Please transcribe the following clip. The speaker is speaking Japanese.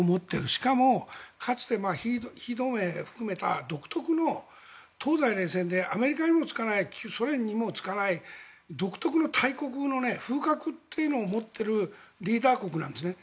しかもかつて非同盟含めた独特の東西冷戦でアメリカにもつかないソ連にもつかない独特の大国の風格というのを持っているリーダー国なんですね。